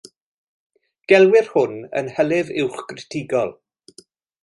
Gelwir hwn yn hylif uwch gritigol.